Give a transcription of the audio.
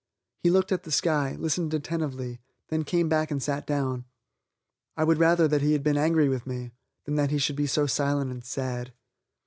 He looked at the sky, listened attentively, then came back and sat down. I would rather that he had been angry with me, than that he should be so silent and sad.